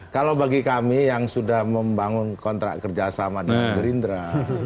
kalau bagi kami yang sudah membangun kontrak kerjasama dengan gerindra